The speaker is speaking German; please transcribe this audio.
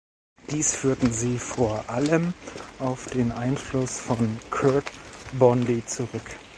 Dies führten sie vor allem auf den Einfluss von Curt Bondy zurück.